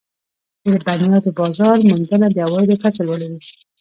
د لبنیاتو بازار موندنه د عوایدو کچه لوړوي.